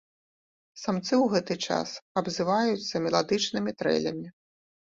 Самцы ў гэты час абзываюцца меладычнымі трэлямі.